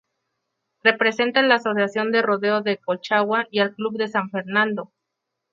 Representa a la Asociación de Rodeo de Colchagua y al Club de San Fernando.